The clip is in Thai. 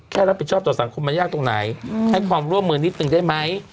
รับผิดชอบต่อสังคมมันยากตรงไหนให้ความร่วมมือนิดนึงได้ไหม